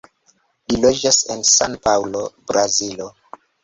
Li loĝas en San-Paŭlo, Brazilo.